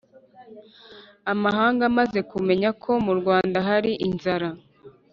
Amahanga amaze kumenya ko mu Rwanda hali inzara.